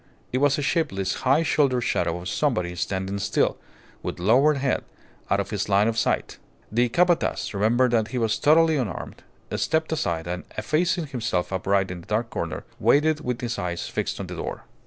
It was a shapeless, high shouldered shadow of somebody standing still, with lowered head, out of his line of sight. The Capataz, remembering that he was totally unarmed, stepped aside, and, effacing himself upright in a dark corner, waited with his eyes fixed on the door.